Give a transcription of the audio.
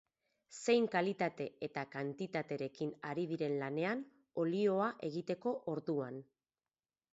Zein kalitate eta kantitaterekin ari diren lanean, olioa egiteko orduan.